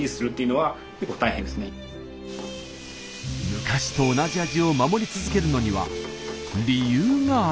昔と同じ味を守り続けるのには理由がありました。